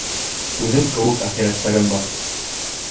Үҙем кеүек әхирәттәрем бар.